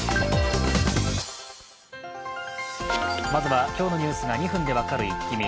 まずは今日のニュースが２分で分かるイッキ見。